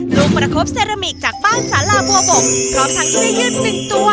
ลูกประคบเซรามิกจากบ้านสาราบัวบกพร้อมทั้งที่ได้ยืด๑ตัว